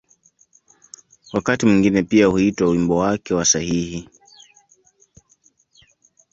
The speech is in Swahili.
Wakati mwingine pia huitwa ‘’wimbo wake wa sahihi’’.